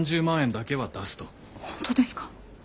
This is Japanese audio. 本当ですか？